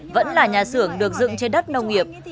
vẫn là nhà xưởng được dựng trên đất nông nghiệp